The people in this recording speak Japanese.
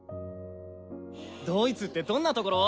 ドイツってどんなところ？